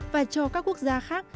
và cho các quốc gia khác